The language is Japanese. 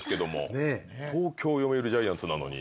東京読売ジャイアンツなのに。